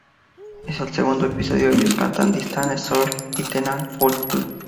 En el segundo episodio ellos cantan "Distant Shores" y "Teenage Failure".